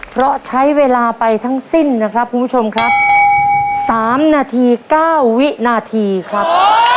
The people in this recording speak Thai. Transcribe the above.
เพราะใช้เวลาไปทั้งสิ้นนะครับคุณผู้ชมครับ๓นาที๙วินาทีครับ